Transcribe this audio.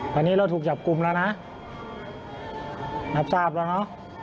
มันนี้เราถูกจับกลุ่มแล้วนะมันตามเราเนอะ